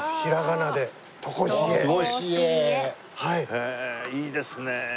へえいいですね！